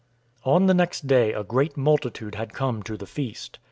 012:012 On the next day a great multitude had come to the feast.